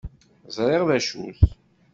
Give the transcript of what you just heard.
Zṛiɣ d acu-t.